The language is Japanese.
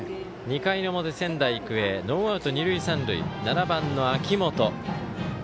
２回の表、仙台育英ノーアウト、二塁三塁７番の秋元。